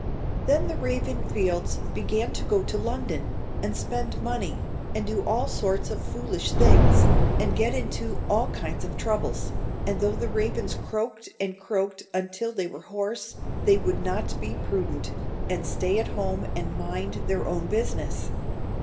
Then the Ravensfields began to go to London, and spend money, and do all sorts of foolish things, and get into all kinds of troubles, and though the Ravens croaked and croaked until they were hoarse, they would not be prudent, and stay at home and mind their own business.